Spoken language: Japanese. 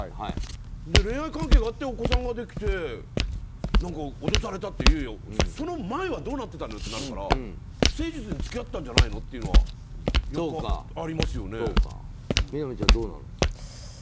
恋愛関係があってお子さんができて脅されたって、その前はどうなってたんだよってなるから不誠実に付き合ってたんじゃないのみなみちゃん、どうなの？